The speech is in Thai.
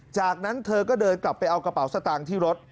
จากนั้นเธอก็เดินกลับไปเอากระเป๋าสตางค์ที่รถ